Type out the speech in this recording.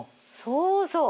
そうそう。